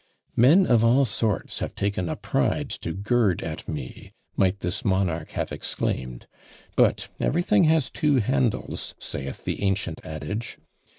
"Men of all sorts have taken a pride to gird at me," might this monarch have exclaimed. But everything has two handles, saith the ancient adage.